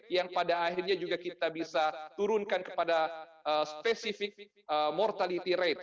yang pada akhirnya juga kita bisa turunkan kepada spesifik mortality rate